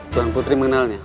tuan putri mengenalnya